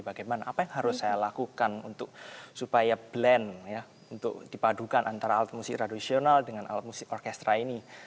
bagaimana apa yang harus saya lakukan untuk supaya blend untuk dipadukan antara alat musik tradisional dengan alat musik orkestra ini